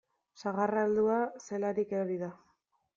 Sagarra heldua zelarik erori da.